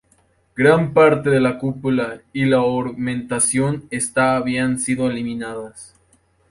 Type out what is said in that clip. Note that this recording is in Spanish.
Gran parte de la cúpula y la ornamentación de esta habían sido eliminadas.